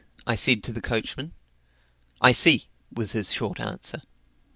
I said to the coachman. "I see," was his short answer.